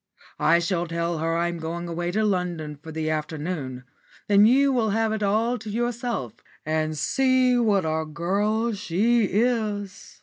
I shall tell her I'm going away to London for the afternoon; then you will have it all to yourself and see what a girl she is."